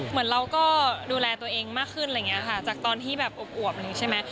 เหมือนเราก็ดูแลตัวเองมากขึ้นจากตอนที่อบใช่ไหม